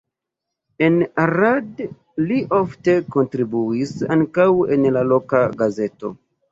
En Arad li ofte kontribuis ankaŭ en la loka gazeto.